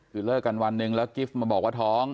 คือเลิกกันวันหนึ่งแล้วกิฟต์มาบอกว่าท้อง